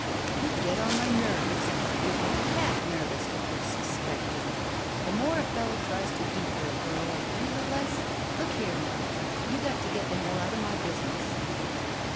"You get on my nerves. You'd make a cat nerv ous, with your suspecting ! The more a fellow tries to do for a girl like you the less — Look here now, you got to get the hell out of my business."